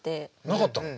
なかったの？